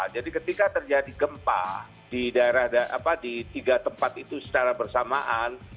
jadi ketika terjadi gempa di daerah apa di tiga tempat itu secara bersamaan